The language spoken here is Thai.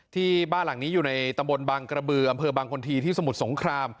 ที่บ้านหลังนี้อยู่ในตำบลบางกระบืออำเภอบางคนทีที่สมุทรสงคราม